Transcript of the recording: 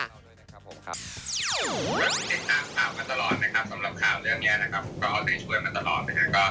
สำหรับข่าวเรื่องนี้นะครับ